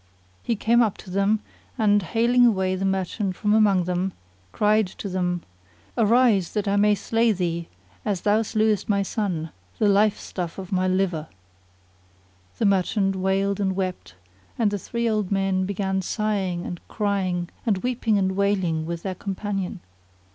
He came up to them and, haling away the merchant from among them, cried to him, "Arise that I may slay thee, as thou slewest my son, the life stuff of my liver."[FN#44] The merchant wailed and wept, and the three old men began sighing and crying and weeping and wailing with their companion.